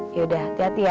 yaudah hati hati ya